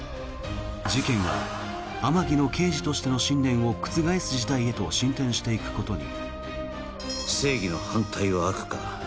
事件は天樹の刑事としての信念を覆す事態へと進展していくことに。